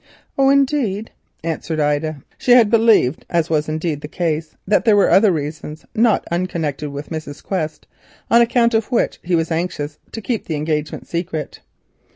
"Oh, indeed," answered Ida. She had believed, as was indeed the case, that there were other reasons not unconnected with Mrs. Quest, on account of which he was anxious to keep the engagement secret.